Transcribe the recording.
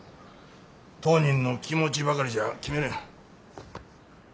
当人の気持ちばかりじゃ決めれん。